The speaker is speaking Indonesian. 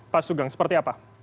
pak sugeng seperti apa